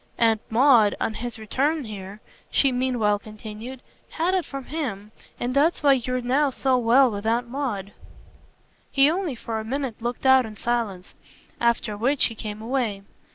"Aunt Maud, on his return here," she meanwhile continued, "had it from him. And that's why you're now so well with Aunt Maud." He only for a minute looked out in silence after which he came away.